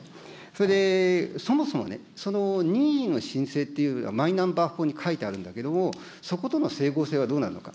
それで、そもそもね、その任意の申請というのがマイナンバー法に書いてあるんだけれども、そことの整合性はどうなるのか。